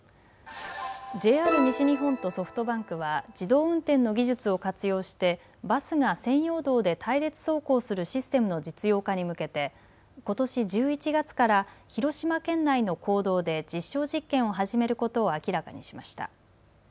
ＪＲ西日本とソフトバンクは、自動運転の技術を活用して、バスが専用道で隊列走行するシステムの実用化に向けて、ことし１１月から広島県内の公道で実証実験を始めることを明らかにしました。